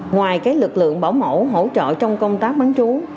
ngoài lực lượng bảo mẫu hỗ trợ trong công tác bán chú